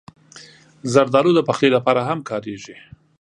زردالو د پخلي لپاره هم کارېږي.